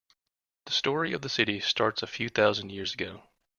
The story of the city starts a few thousand years ago.